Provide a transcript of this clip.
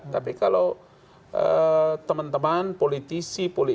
tapi kalau teman teman politisi